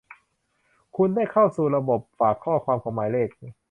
คุณได้เข้าสู่ระบบฝากข้อความของหมายเลข